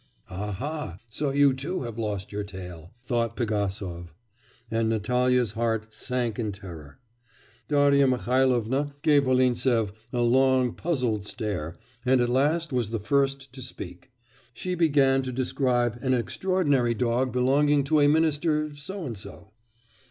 'Aha! so you too have lost your tail!' thought Pigasov; and Natalya's heart sank in terror. Darya Mihailovna gave Volintsev a long puzzled stare and at last was the first to speak; she began to describe an extraordinary dog belonging to a minister So and So.